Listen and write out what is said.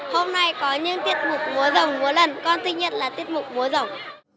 hôm nay có những tiết mục múa rồng múa lần con tin nhất là tiết mục múa rồng